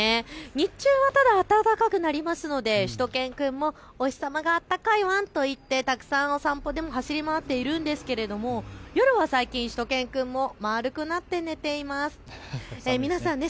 日中は暖かくなりますのでしゅと犬くんもお日様があったかいワンといってたくさんお散歩でも走り回っているんですが夜は最近しゅと犬くんも丸くなって寝ています。